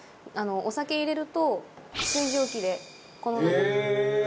お酒入れると水蒸気でこの中蒸されるから。